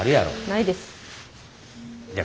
ないです。